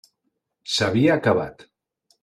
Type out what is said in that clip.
S'havia acabat.